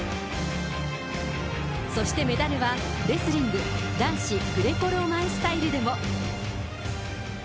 そしてメダルは、レスリング男子グレコローマンスタイルでも。